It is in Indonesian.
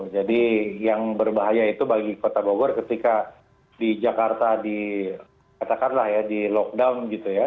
jadi yang berbahaya itu bagi kota bogor ketika di jakarta di katakanlah ya di lockdown